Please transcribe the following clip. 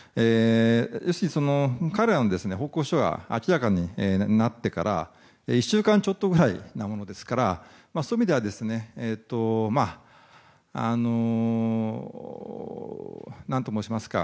要するに、彼らの報告書が明らかになってから１週間ちょっとぐらいなものですからそういう意味では何と申しますか。